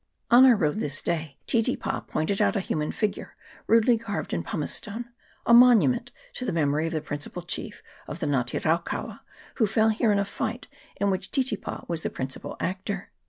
On our road this day Titipa pointed out a human figure rudely CHAP. XXIII.] BROKEN COUNTRY. 321 carved in pumicestone, a monument to the memory of the principal chief of the Nga te raukaua, who fell here in a fight, in which Titipa was the prin cipal actor.